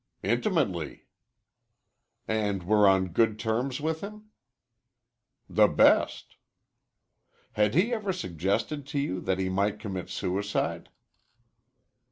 "Intimately." "And were on good terms with him?" "The best." "Had he ever suggested to you that he might commit suicide?"